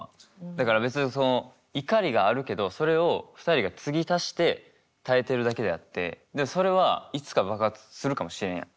だから別にその怒りがあるけどそれを２人が継ぎ足して耐えてるだけであってそれはいつか爆発するかもしれんやん。